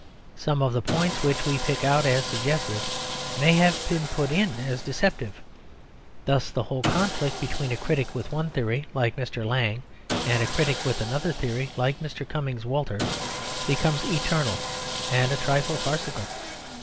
Some of the points which we pick out as suggestive may have been put in as deceptive. Thus the whole conflict between a critic with one theory, like Mr. Lang, and a critic with another theory, like Mr. Cumming Walters, becomes eternal and a trifle farcical.